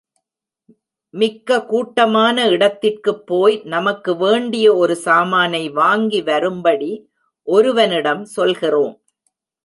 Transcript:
மிக்க கூட்டமான இடத்திற்குப் போய் நமக்கு வேண்டிய ஒரு சாமானை வாங்கி வரும்படி ஒருவனிடம் சொல்கிறோம்.